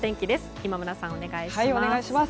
今村さん、お願いします。